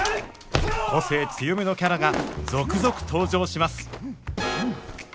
個性強めのキャラが続々登場します